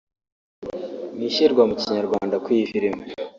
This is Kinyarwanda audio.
Mu ishyirwa mu kinyarwanda kw’iyi filimi